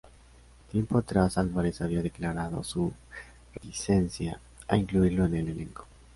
Tiempo atrás, Álvarez había declarado su reticencia a incluirlo en el elenco.